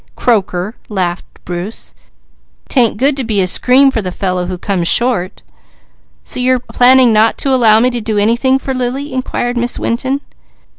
"Croaker!" laughed Bruce. "'Tain't going to be a scream for the fellow who comes short," warned Mickey. "So you're planning not to allow me to do anything for Lily?" inquired Miss Winton.